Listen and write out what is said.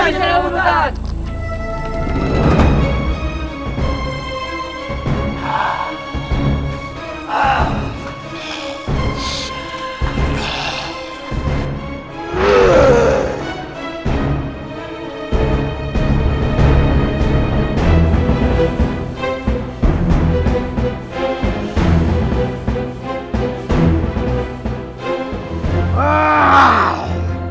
jom bisa tuhan